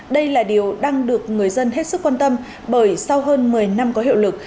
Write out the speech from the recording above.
đây là điều đang được người dân hết sức quan tâm bởi sau hơn một mươi năm có hiệu lực